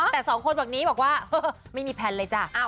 แต่สองคนแบบนี้บอกว่าไม่มีแพลนเลยจ้ะ